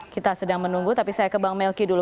kita sedang menunggu tapi saya ke bang melki dulu